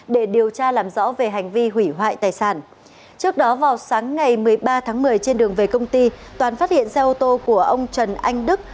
để điều tra làm rõ về hành vi hủy hoại tài sản trước đó vào sáng ngày một mươi ba tháng một mươi trên đường về công ty toàn phát hiện xe ô tô của ông trần anh đức